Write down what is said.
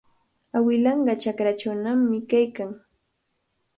Awilanqa chakwannami kaykan.